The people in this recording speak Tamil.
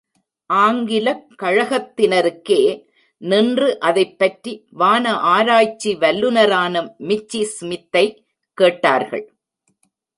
ஆங்கிலக் கழகத் தினருகே நின்று அதைப் பற்றி, வான ஆராய்ச்சி வல்லுநரான மிச்சி ஸ்மித்தைக் கேட்டார்கள்.